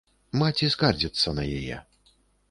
Маці скардзіцца на яе.